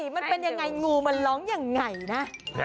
มันทำยังไงนะ